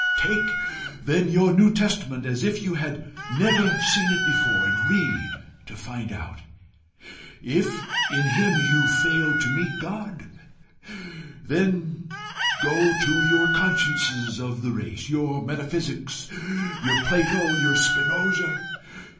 Take then your New Testament as if you had never seen it before, and read to find out. If in him you fail to meet God, then go to your consciousness of the race, your metaphysics, your Plato, your Spinosa.